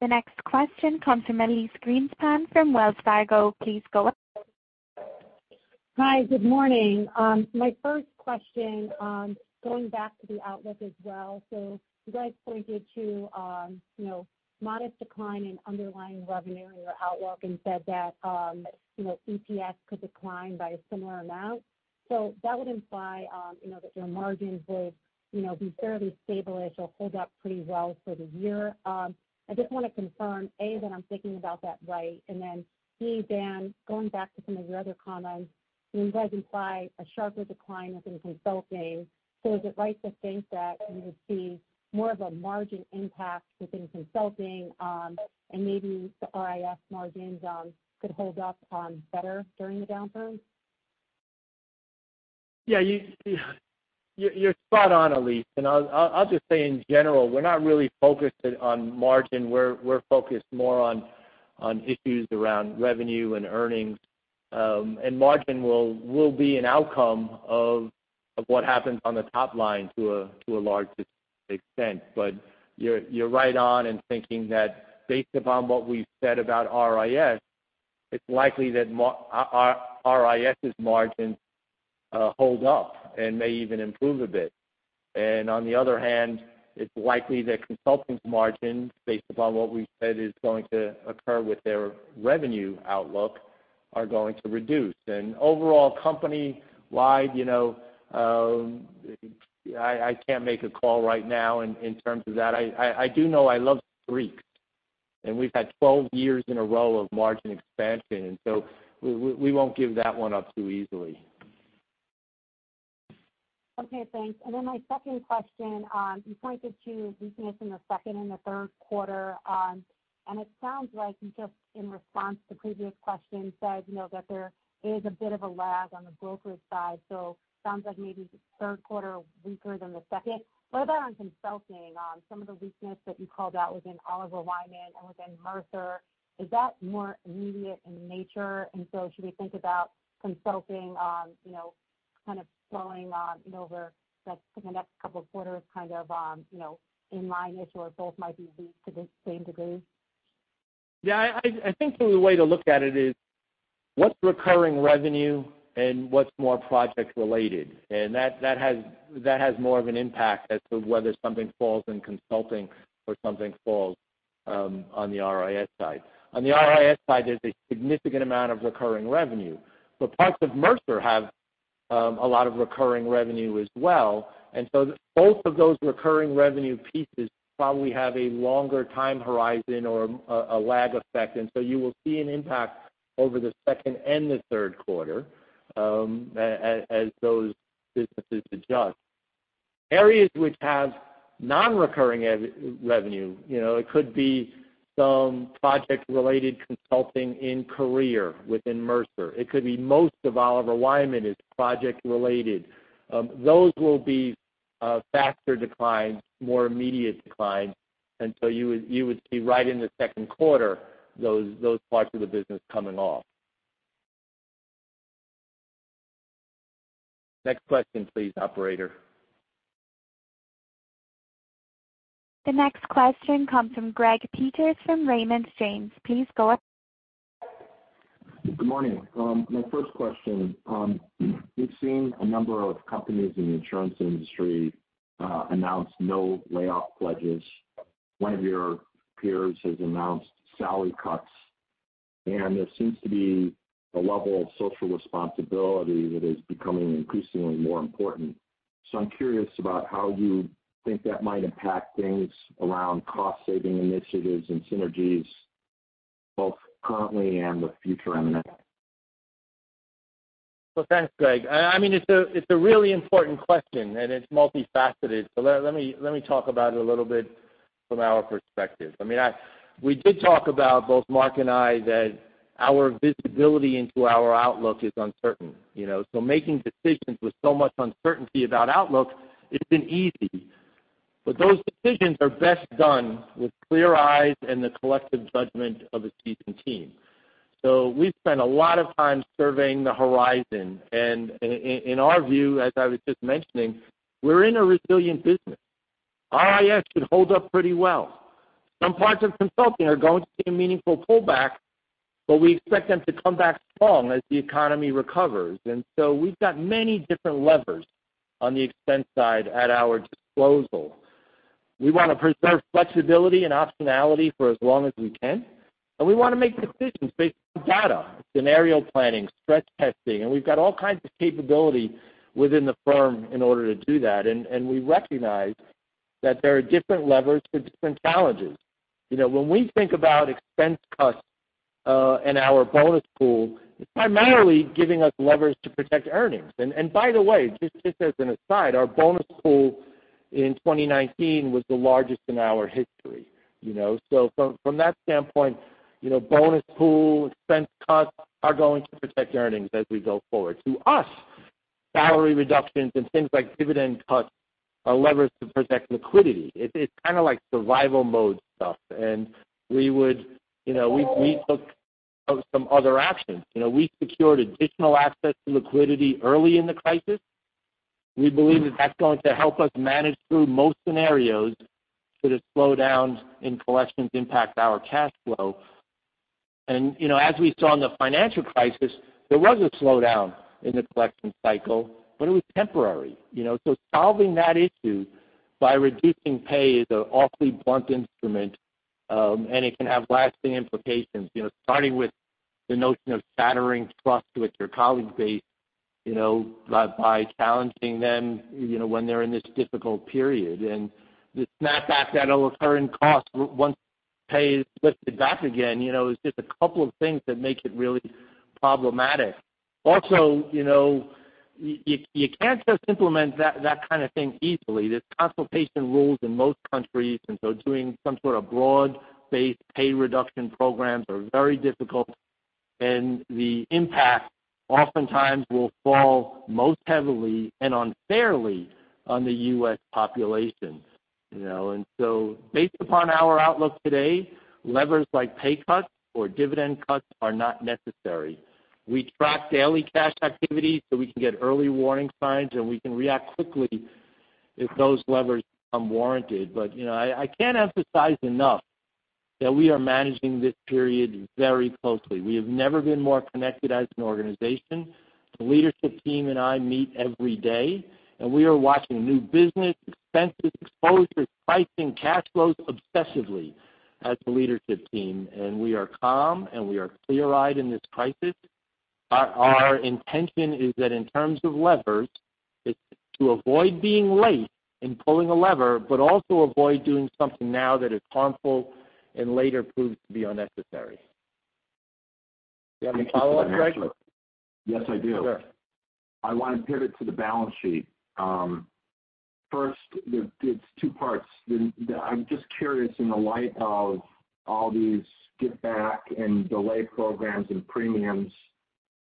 The next question comes from Elyse Greenspan from Wells Fargo. Please go ahead. Hi. Good morning. My first question, going back to the outlook as well. You guys pointed to modest decline in underlying revenue in your outlook and said that EPS could decline by a similar amount. That would imply that your margin would be fairly stable if it'll hold up pretty well for the year. I just want to confirm, A, that I'm thinking about that right, and then B, Dan, going back to some of your other comments, you guys imply a sharper decline within consulting. Is it right to think that you would see more of a margin impact within consulting and maybe the RIS margins could hold up better during the downturn? Yeah. You're spot on, Elyse. I'll just say in general, we're not really focused on margin. We're focused more on issues around revenue and earnings. Margin will be an outcome of what happens on the top line to a large extent. You're right on in thinking that based upon what we've said about RIS, it's likely that RIS's margins hold up and may even improve a bit. On the other hand, it's likely that consultants' margins, based upon what we've said is going to occur with their revenue outlook, are going to reduce. Overall, company-wide, I can't make a call right now in terms of that. I do know I love Greeks, and we've had 12 years in a row of margin expansion. We won't give that one up too easily. Okay. Thanks. My second question, you pointed to weakness in the second and the third quarter. It sounds like you just, in response to the previous question, said that there is a bit of a lag on the brokerage side. It sounds like maybe third quarter weaker than the second. What about on consulting? Some of the weakness that you called out within Oliver Wyman and within Mercer, is that more immediate in nature? Should we think about consulting kind of slowing over the next couple of quarters, kind of in line issue or both might be weak to the same degree? Yeah. I think the way to look at it is what's recurring revenue and what's more project-related. That has more of an impact as to whether something falls in consulting or something falls on the RIS side. On the RIS side, there's a significant amount of recurring revenue. Parts of Mercer have a lot of recurring revenue as well. Both of those recurring revenue pieces probably have a longer time horizon or a lag effect. You will see an impact over the second and the third quarter as those businesses adjust. Areas which have non-recurring revenue, it could be some project-related consulting in career within Mercer. It could be most of Oliver Wyman is project-related. Those will be faster declines, more immediate declines. You would see right in the second quarter, those parts of the business coming off. Next question, please, operator. The next question comes from Greg Peters from Raymond James. Please go ahead. Good morning. My first question, we've seen a number of companies in the insurance industry announce no layoff pledges. One of your peers has announced salary cuts, and there seems to be a level of social responsibility that is becoming increasingly more important. I'm curious about how you think that might impact things around cost-saving initiatives and synergies, both currently and the future M&A. Thanks, Greg. I mean, it's a really important question, and it's multifaceted. Let me talk about it a little bit from our perspective. I mean, we did talk about both Mark and I that our visibility into our outlook is uncertain. Making decisions with so much uncertainty about outlook, it's not been easy. Those decisions are best done with clear eyes and the collective judgment of a seasoned team. We have spent a lot of time surveying the horizon. In our view, as I was just mentioning, we are in a resilient business. RIS could hold up pretty well. Some parts of consulting are going to see a meaningful pullback, but we expect them to come back strong as the economy recovers. We have many different levers on the expense side at our disposal. We want to preserve flexibility and optionality for as long as we can. We want to make decisions based on data, scenario planning, stress testing. We have all kinds of capability within the firm in order to do that. We recognize that there are different levers for different challenges. When we think about expense cuts and our bonus pool, it is primarily giving us levers to protect earnings. By the way, just as an aside, our bonus pool in 2019 was the largest in our history. From that standpoint, bonus pool, expense cuts are going to protect earnings as we go forward. To us, salary reductions and things like dividend cuts are levers to protect liquidity. It's kind of like survival mode stuff. We took some other actions. We secured additional access to liquidity early in the crisis. We believe that that's going to help us manage through most scenarios should a slowdown in collections impact our cash flow. As we saw in the financial crisis, there was a slowdown in the collection cycle, but it was temporary. Solving that issue by reducing pay is an awfully blunt instrument, and it can have lasting implications, starting with the notion of shattering trust with your colleague base by challenging them when they're in this difficult period. The snapback that'll occur in cost once pay is lifted back again is just a couple of things that make it really problematic. Also, you can't just implement that kind of thing easily. There's consultation rules in most countries, and doing some sort of broad-based pay reduction programs are very difficult. The impact oftentimes will fall most heavily and unfairly on the U.S. population. Based upon our outlook today, levers like pay cuts or dividend cuts are not necessary. We track daily cash activity so we can get early warning signs, and we can react quickly if those levers become warranted. I can't emphasize enough that we are managing this period very closely. We have never been more connected as an organization. The leadership team and I meet every day, and we are watching new business, expenses, exposures, pricing, cash flows obsessively as the leadership team. We are calm, and we are clear-eyed in this crisis. Our intention is that in terms of levers, it's to avoid being late in pulling a lever, but also avoid doing something now that is harmful and later proves to be unnecessary. Do you have any follow-up, Greg? Yes, I do. I want to pivot to the balance sheet. First, it's two parts. I'm just curious, in the light of all these give-back and delay programs and premiums,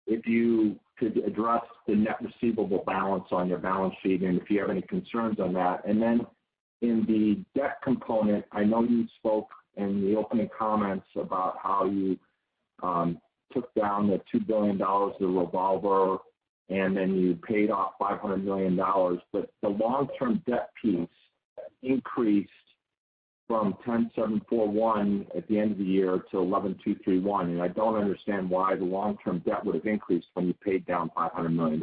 if you could address the net receivable balance on your balance sheet and if you have any concerns on that. Then in the debt component, I know you spoke in the opening comments about how you took down the $2 billion to revolver, and then you paid off $500 million. The long-term debt piece increased from $10,741 million at the end of the year to $11,231 million. I do not understand why the long-term debt would have increased when you paid down $500 million.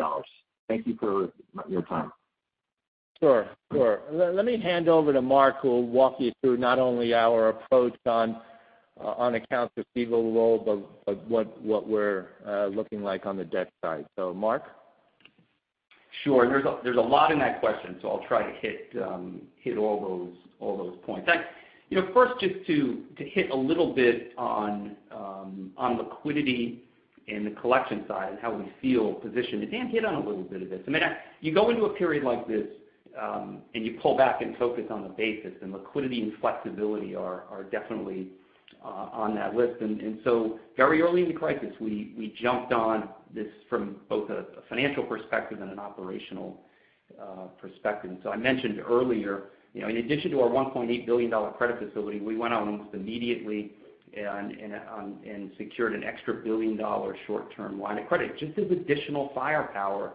Thank you for your time. Sure. Let me hand over to Mark, who will walk you through not only our approach on accounts receivable, but what we are looking like on the debt side. Mark? Sure. There is a lot in that question, so I will try to hit all those points. First, just to hit a little bit on liquidity and the collection side and how we feel positioned. Dan hit on a little bit of this. I mean, you go into a period like this and you pull back and focus on the basics, and liquidity and flexibility are definitely on that list. Very early in the crisis, we jumped on this from both a financial perspective and an operational perspective. I mentioned earlier, in addition to our $1.8 billion credit facility, we went out and immediately secured an extra $1 billion short-term line of credit just as additional firepower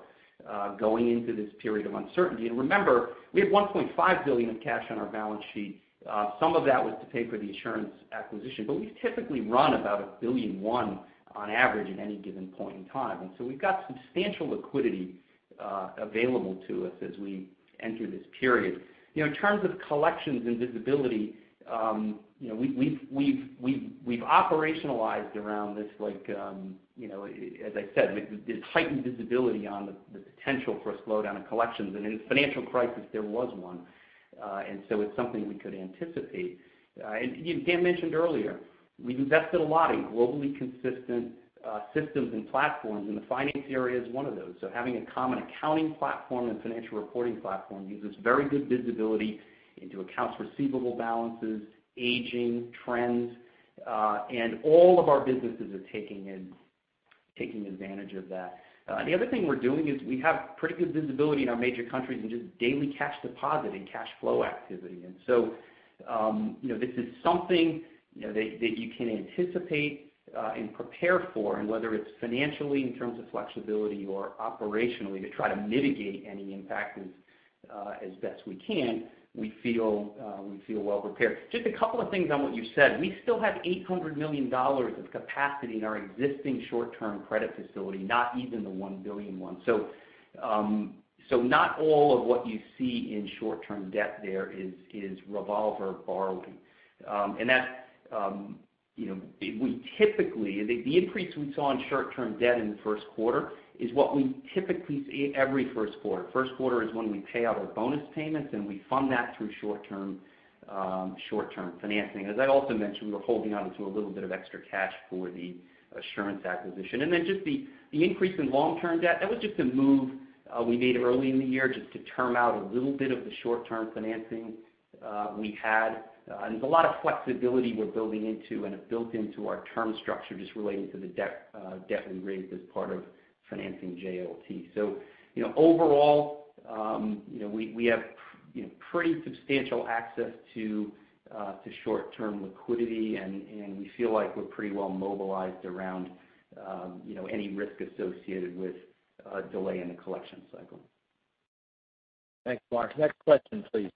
going into this period of uncertainty. Remember, we had $1.5 billion of cash on our balance sheet. Some of that was to pay for the insurance acquisition. We have typically run about $1 billion on average at any given point in time. We have substantial liquidity available to us as we enter this period. In terms of collections and visibility, we've operationalized around this, as I said, this heightened visibility on the potential for a slowdown of collections. In the financial crisis, there was one. It is something we could anticipate. Dan mentioned earlier, we've invested a lot in globally consistent systems and platforms, and the finance area is one of those. Having a common accounting platform and financial reporting platform gives us very good visibility into accounts receivable balances, aging, trends. All of our businesses are taking advantage of that. The other thing we're doing is we have pretty good visibility in our major countries in just daily cash deposit and cash flow activity. This is something that you can anticipate and prepare for. Whether it's financially in terms of flexibility or operationally, to try to mitigate any impact as best we can, we feel well prepared. Just a couple of things on what you said. We still have $800 million of capacity in our existing short-term credit facility, not even the $1 billion one. Not all of what you see in short-term debt there is revolver borrowing. Typically, the increase we saw in short-term debt in the first quarter is what we typically see every first quarter. First quarter is when we pay out our bonus payments, and we fund that through short-term financing. As I also mentioned, we were holding on to a little bit of extra cash for the Assurance acquisition. The increase in long-term debt, that was just a move we made early in the year just to term out a little bit of the short-term financing we had. There is a lot of flexibility we are building into and built into our term structure just relating to the debt and rates as part of financing JLT. Overall, we have pretty substantial access to short-term liquidity, and we feel like we are pretty well mobilized around any risk associated with delay in the collection cycle. Thanks, Mark. Next question, please.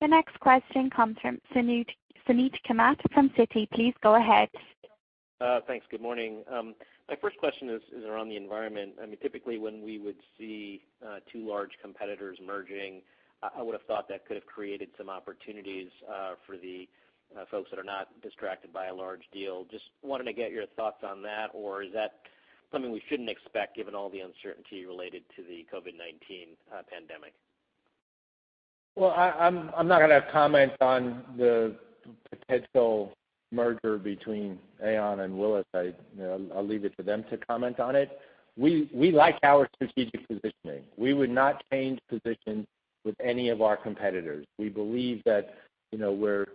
The next question comes from Suneet Kamath from Citi. Please go ahead. Thanks. Good morning. My first question is around the environment. I mean, typically when we would see two large competitors merging, I would have thought that could have created some opportunities for the folks that are not distracted by a large deal. Just to get your thoughts on that, or is that something we shouldn't expect given all the uncertainty related to the COVID-19 pandemic? I'm not going to comment on the potential merger between Aon and Willis. I'll leave it to them to comment on it. We like our strategic positioning. We would not change position with any of our competitors. We believe that we're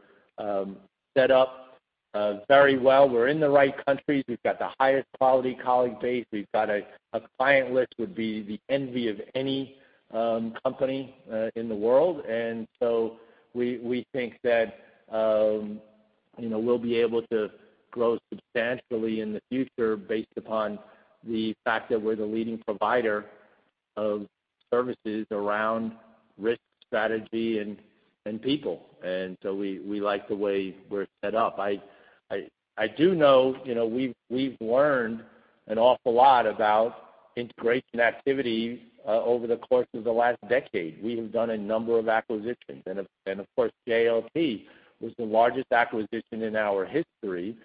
set up very well. We're in the right countries. We've got the highest quality colleague base. We've got a client list that would be the envy of any company in the world. We think that we'll be able to grow substantially in the future based upon the fact that we're the leading provider of services around risk strategy and people. We like the way we're set up. I do know we've learned an awful lot about integration activity over the course of the last decade. We have done a number of acquisitions. Of course, JLT was the largest acquisition in our history.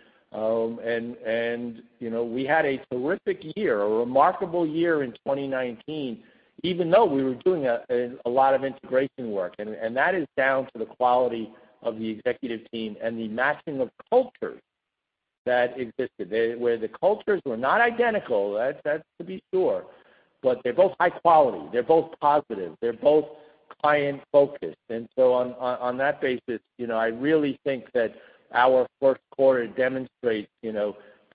We had a terrific year, a remarkable year in 2019, even though we were doing a lot of integration work. That is down to the quality of the executive team and the matching of cultures that existed. The cultures were not identical, that's to be sure. They are both high quality. They are both positive. They are both client-focused. On that basis, I really think that our first quarter demonstrates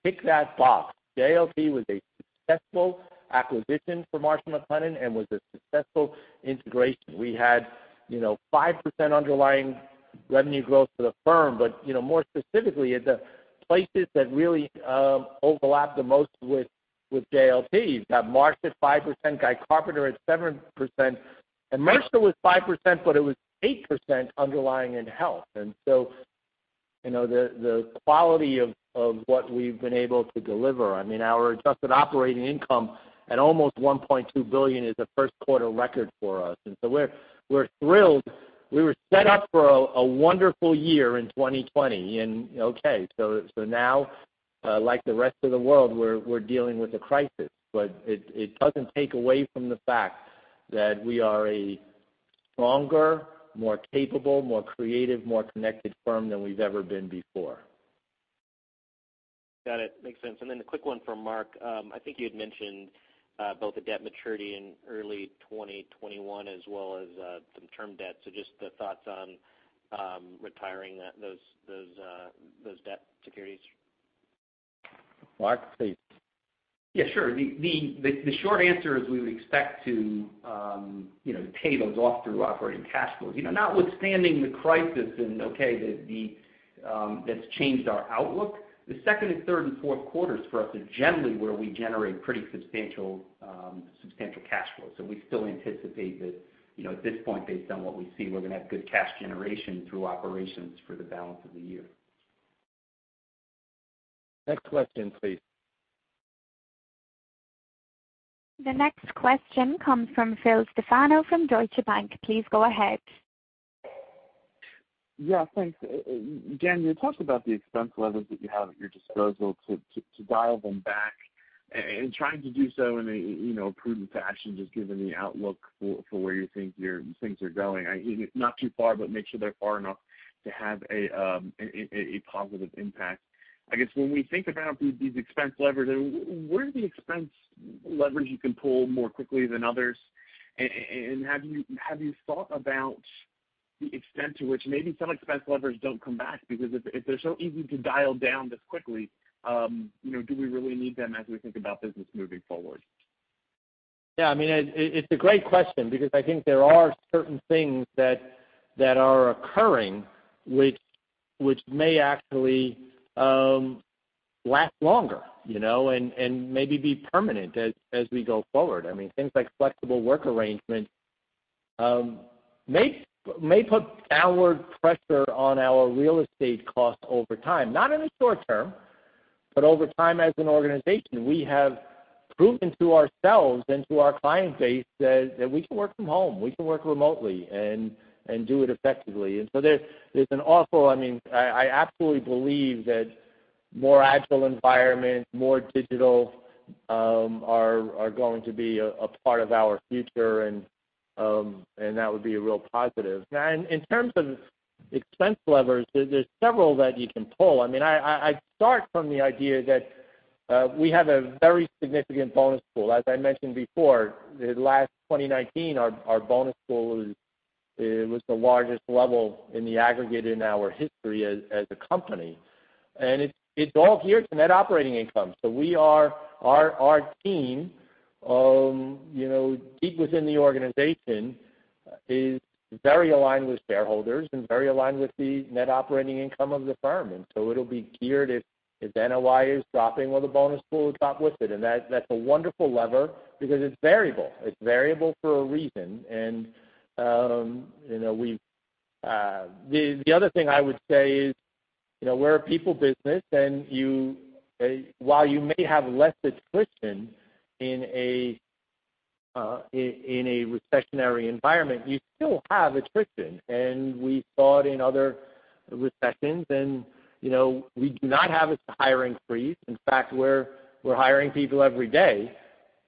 pick that box. JLT was a successful acquisition for Marsh & McLennan and was a successful integration. We had 5% underlying revenue growth for the firm, but more specifically, the places that really overlapped the most with JLT, you've got Marsh at 5%, Guy Carpenter at 7%, and Mercer was 5%, but it was 8% underlying in health. The quality of what we've been able to deliver. I mean, our adjusted operating income at almost $1.2 billion is a first-quarter record for us. We're thrilled. We were set up for a wonderful year in 2020. Now, like the rest of the world, we're dealing with a crisis. It doesn't take away from the fact that we are a stronger, more capable, more creative, more connected firm than we've ever been before. Got it. Makes sense. A quick one from Mark. I think you had mentioned both the debt maturity in early 2021 as well as some term debt. Just the thoughts on retiring those debt securities? Mark, please. Yeah, sure. The short answer is we would expect to pay those off through operating cash flows. Notwithstanding the crisis, that's changed our outlook, the second and third and fourth quarters for us are generally where we generate pretty substantial cash flow. We still anticipate that at this point, based on what we see, we're going to have good cash generation through operations for the balance of the year. Next question, please. The next question comes from Phil Stefano from Deutsche Bank. Please go ahead. Yeah, thanks. Dan, you talked about the expense levers that you have at your disposal to dial them back and trying to do so in a prudent fashion, just given the outlook for where you think things are going. Not too far, but make sure they're far enough to have a positive impact. I guess when we think about these expense levers, where are the expense levers you can pull more quickly than others? Have you thought about the extent to which maybe some expense levers don't come back? Because if they're so easy to dial down this quickly, do we really need them as we think about business moving forward? Yeah, I mean, it's a great question because I think there are certain things that are occurring which may actually last longer and maybe be permanent as we go forward. I mean, things like flexible work arrangements may put downward pressure on our real estate costs over time. Not in the short term, but over time as an organization, we have proven to ourselves and to our client base that we can work from home. We can work remotely and do it effectively. There is an awful—I mean, I absolutely believe that more agile environments, more digital, are going to be a part of our future, and that would be a real positive. Now, in terms of expense levers, there are several that you can pull. I mean, I would start from the idea that we have a very significant bonus pool. As I mentioned before, last 2019, our bonus pool was the largest level in the aggregate in our history as a company. It is all geared to net operating income. Our team, deep within the organization, is very aligned with shareholders and very aligned with the net operating income of the firm. It will be geared if NOI is dropping or the bonus pool will drop with it. That is a wonderful lever because it is variable. It is variable for a reason. The other thing I would say is we are a people business, and while you may have less attrition in a recessionary environment, you still have attrition. We saw it in other recessions. We do not have a higher increase. In fact, we are hiring people every day.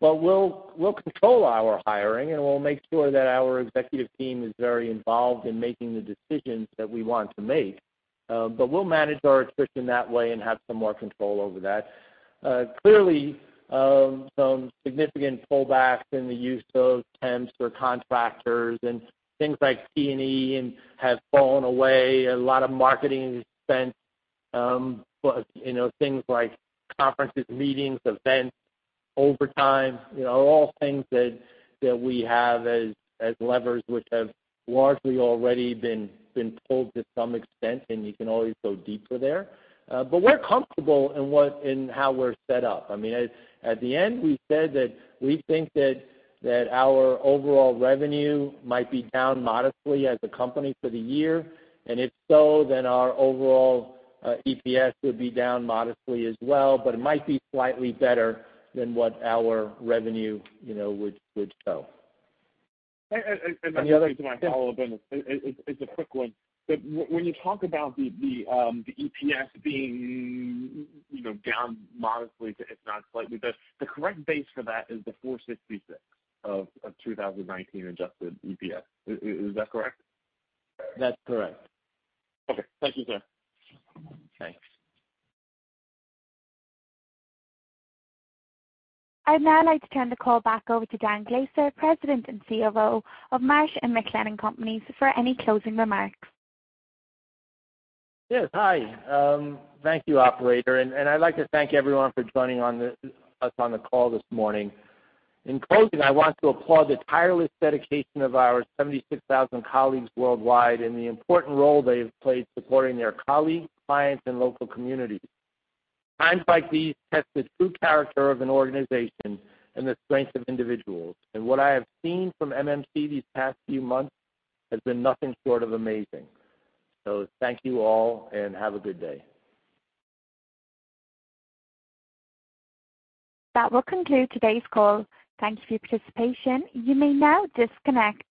We will control our hiring, and we will make sure that our executive team is very involved in making the decisions that we want to make. We will manage our attrition that way and have some more control over that. Clearly, some significant pullbacks in the use of temps or contractors and things like T&E have fallen away. A lot of marketing expense, things like conferences, meetings, events, overtime, all things that we have as levers which have largely already been pulled to some extent, and you can always go deeper there. We are comfortable in how we are set up. I mean, at the end, we said that we think that our overall revenue might be down modestly as a company for the year. If so, then our overall EPS would be down modestly as well, but it might be slightly better than what our revenue would show. The other thing to my follow-up on this is a quick one. When you talk about the EPS being down modestly, if not slightly, the correct base for that is the $4.66 of 2019 adjusted EPS. Is that correct? That's correct. Okay. Thank you, sir. Thanks. I'd now like to turn the call back over to Dan Glaser, President and COO of Marsh & McLennan Companies, for any closing remarks. Yes. Hi. Thank you, Operator. I would like to thank everyone for joining us on the call this morning. In closing, I want to applaud the tireless dedication of our 76,000 colleagues worldwide and the important role they have played supporting their colleagues, clients, and local communities. Times like these test the true character of an organization and the strength of individuals. What I have seen from MMC these past few months has been nothing short of amazing. Thank you all, and have a good day. That will conclude today's call. Thank you for your participation. You may now disconnect.